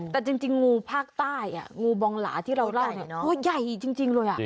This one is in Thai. แต่จริงงูภาคใต้งูบองหลาที่เราเล่าเนี่ยตัวใหญ่จริงเลย